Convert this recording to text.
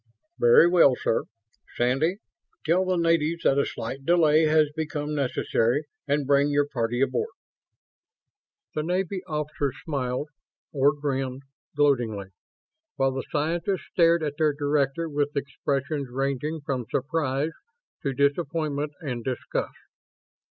"Very well, sir. Sandy, tell the natives that a slight delay has become necessary and bring your party aboard." The Navy officers smiled or grinned gloatingly; while the scientists stared at their director with expressions ranging from surprise to disappointment and disgust.